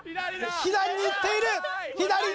左に行っている！